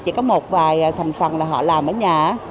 chỉ có một vài thành phần là họ làm ở nhà